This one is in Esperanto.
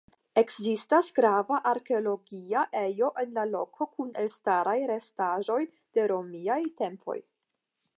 Ekzistas grava arkeologia ejo en la loko kun elstaraj restaĵoj de romiaj tempoj.